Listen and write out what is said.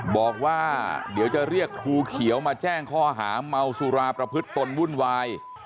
บอกว่าเดี๋ยวจะเรียกครูเขียวมาแจ้งข้อหาเมาสุราประพฤติตนวุ่นวาย